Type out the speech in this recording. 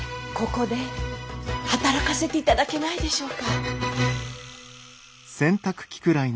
ここで働かせていただけないでしょうか。